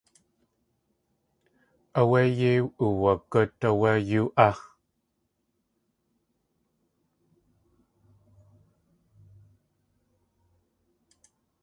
Áwé yéi uwagút áwé yú.á.